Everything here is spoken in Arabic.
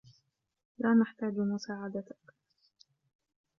لا نحتاج مساعدتك.